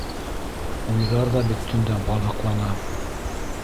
Уйҙар ҙа бит төндә баҙыҡлана.